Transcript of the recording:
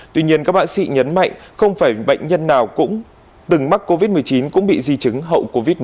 tuy nhiên các bác sĩ nhấn mạnh không phải bệnh nhân nào cũng từng mắc covid một mươi chín cũng bị di chứng hậu covid một mươi chín